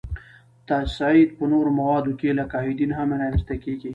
تصعید په نورو موادو کې لکه ایودین هم را منځ ته کیږي.